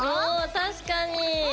お確かに。